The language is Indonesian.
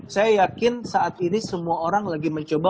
saya yakin saat ini semua orang lagi mencoba